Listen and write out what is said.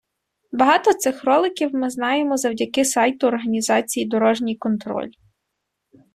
Багато цих роликів ми знаємо завдяки сайту організації «Дорожній контроль».